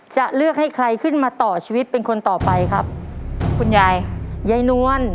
จะเลือกให้ใครขึ้นมาต่อชีวิตเป็นคนต่อไปครับคุณยายยายนวล